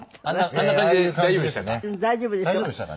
あんな感じで大丈夫でしたか？